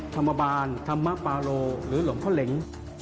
ธรรมบาลธรรมปาโลหรือหลวงพ่อเหล็ง